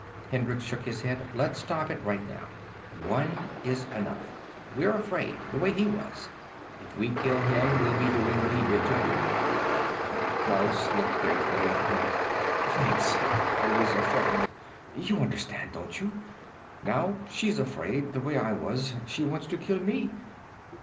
Hendricks shook his head. "Let's stop it right now. One is enough. We're afraid, the way he was. If we kill him we'll be doing what he did to Rudi." Klaus looked gratefully up at him. "Thanks. I was afraid. You understand, don't you? Now she's afraid, the way I was. She wants to kill me."